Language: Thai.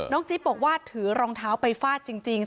จิ๊บบอกว่าถือรองเท้าไปฟาดจริง